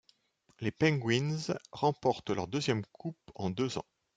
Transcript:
Les Penguins remportent leur deuxième Coupe en deux ans.